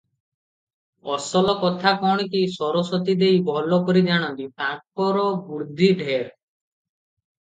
ଅସଲ କଥା କଣ କି, ସରସ୍ୱତୀ ଦେଈ ଭଲ କରି ଜାଣନ୍ତି, ତାଙ୍କର ବୁଦ୍ଧି ଢେର ।